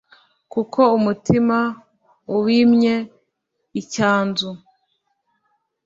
kuko umutima ubimye icyanzu,